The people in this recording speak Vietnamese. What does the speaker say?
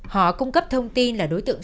họ cung cấp thông tin là đối tượng